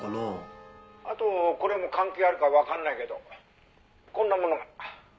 「あとこれも関係あるかわかんないけどこんなものが」